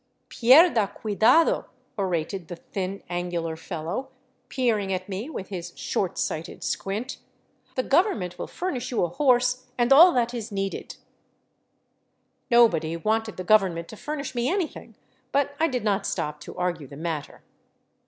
" Pierda cuidado," orated the thin, angular fellow, peering at me with his short sighted squint, " the government will furnish you a horse and all that is needed." Nobody wanted the government to furnish me anything, but I did not stop to argue the matter.